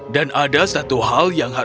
dan ada satu hal yang